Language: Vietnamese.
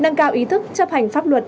nâng cao ý thức chấp hành pháp luật